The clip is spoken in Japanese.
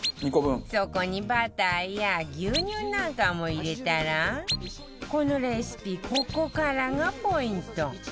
そこにバターや牛乳なんかも入れたらこのレシピここからがポイント